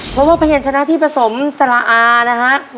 เพราะว่าภยัณฑ์ชนะที่ผสมสละอา